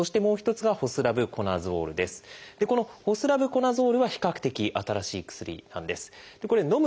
このホスラブコナゾールは比較的新しい薬なんです。